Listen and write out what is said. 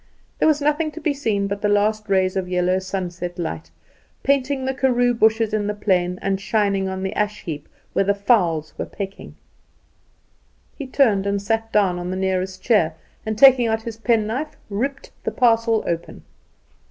There was nothing to be seen but the last rays of yellow sunset light, painting the karoo bushes in the plain, and shining on the ash heap, where the fowls were pecking. He turned and sat down on the nearest chair, and, taking out his pen knife, ripped the parcel open.